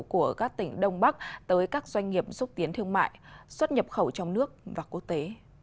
của các tỉnh đông bắc tới các doanh nghiệp xúc tiến thương mại xuất nhập khẩu trong nước và quốc tế